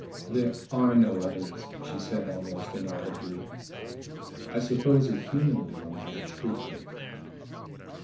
"There are no others," she said almost inaudibly. I suppose a human girl might have shrieked it.